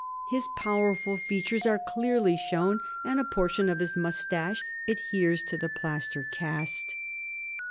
His powerful features are clearly shown, and a portion of his moustache adheres to the plaster cast.